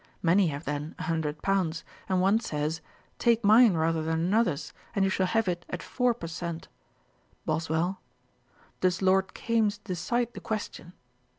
Many have then a hundred pounds; and one says, Take mine rather than another's, and you shall have it at four per cent."' BOSWELL. 'Does Lord Kames decide the question?'